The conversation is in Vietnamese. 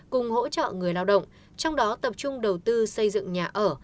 cùng hỗ trợ người lao động trong đó tập trung đầu tư xây dựng nhà ở